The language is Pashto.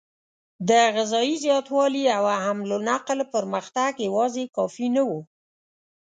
د غذایي زیاتوالي او حمل او نقل پرمختګ یواځې کافي نه و.